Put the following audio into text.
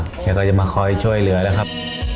เพียงก็จะมาคอยช่วยเหลือนะครับ